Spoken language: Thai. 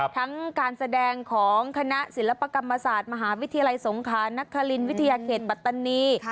ทั้งการแสดงของคณะศิลปกรรมศาสตร์มหาวิทยาลัยสงขานักคาลินวิทยาเขตปัตตานี